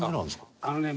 あのね